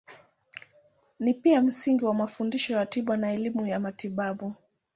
Ni pia msingi wa mafundisho ya tiba na elimu ya matibabu.